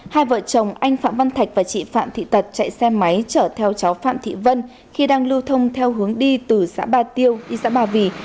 hai vợ chồng anh phạm văn thạch và chị phạm thị tật chạy xe máy chở theo cháu phạm thị vân khi đang lưu thông theo hướng đi từ xã ba tiêu đi xã ba vì